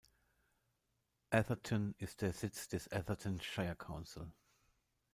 Atherton ist der Sitz des Atherton Shire Council.